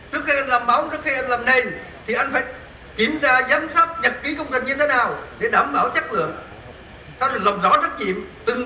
trước khi anh làm bóng trước khi anh làm nền thì anh phải kiểm tra giám sát nhật ký công trình như thế nào để đảm bảo chất lượng